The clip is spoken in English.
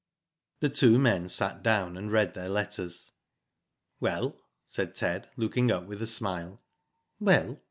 The two men sat down, and read their letters. "Well?" said Ted, looking up with a smile. "Well?